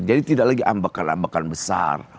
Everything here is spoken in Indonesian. jadi tidak lagi ambakan ambakan besar